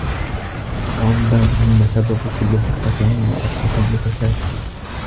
وَأَضْدَادُهُنَّ سَبَبُ كُلِّ فُرْقَةٍ وَأَصْلُ كُلِّ فَسَادٍ